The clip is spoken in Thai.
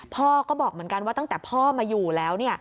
พ่อก็บอกเหมือนกันว่าตั้งแต่พ่อมาอยู่แล้ว